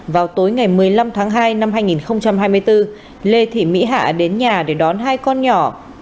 vào tối ngày một mươi năm tháng hai năm hai nghìn hai mươi bốn lê thị mỹ hạ đến nhà để đón hai con nhỏ